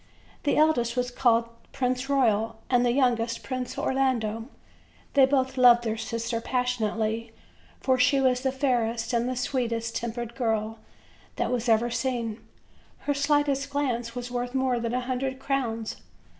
The eldest was called the Prince Royal and the youngest Prince Orlando. They both loved their sister passion ately, for she was the fairest and the sweetest tempered girl that was ever seen; her slightest glance was worth more than a hundred crowns.